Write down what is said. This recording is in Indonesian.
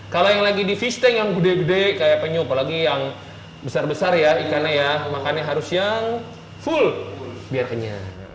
kalau yang lagi di fish tank yang gede gede kayak penyup apalagi yang besar besar ya ikannya ya makannya harus yang full biarkannya